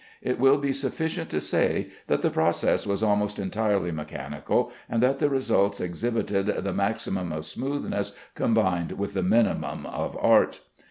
It will be sufficient to say that the process was almost entirely mechanical, and that the results exhibited the maximum of smoothness combined with the minimum of art.